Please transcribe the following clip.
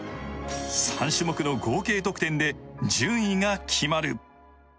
３種目の合計得点で順位が決まる。